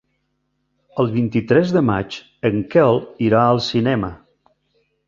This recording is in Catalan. El vint-i-tres de maig en Quel irà al cinema.